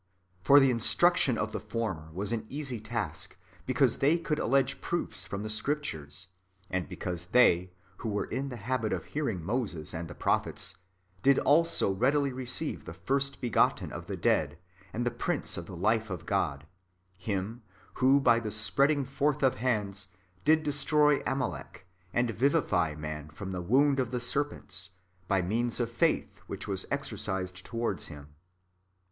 ""' For the instruction of the former, [viz. the Jews,] was an easy task, because they could allege proofs from the Scriptures, and because they, who were in the habit of hearing Moses and the prophets, did also readily receive the First begotten of the dead, and the Prince of the life of God, — Him who, by the spreading forth of hands, did destroy Amalek, and vivify 1 Acts ii. 41, iv. 4. 21 Cor. xv. 10. 458 IREN^US AGAINST HERESIES. [Book iv. man from the wound of the serpent_, by means of faith which was [exercised] to^Yards Him.